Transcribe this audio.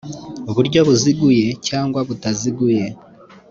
buryo buziguye cyangwa butaziguye